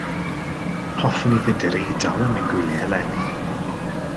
Hoffwn i fynd i'r Eidal am ein gwyliau eleni.